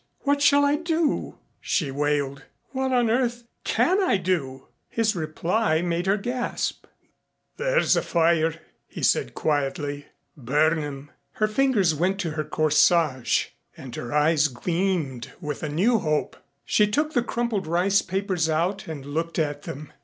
What shall I do?" she wailed. "What on earth can I do?" His reply made her gasp. "There's a fire," he said quietly. "Burn 'em." Her fingers went to her corsage and her eyes gleamed with a new hope. She took the crumpled rice papers out and looked at them.